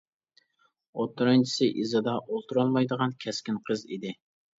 ئوتتۇرانچىسى ئىزىدا ئولتۇرالمايدىغان، كەسكىن قىز ئىدى.